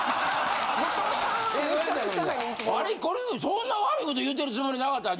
そんな悪いこと言うてるつもりなかった。